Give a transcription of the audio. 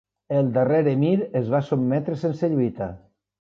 El darrer emir es va sotmetre sense lluita.